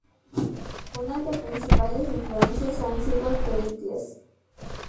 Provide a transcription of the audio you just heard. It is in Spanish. Una de principales influencias han sido The Beatles.